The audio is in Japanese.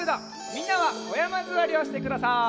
みんなはおやまずわりをしてください。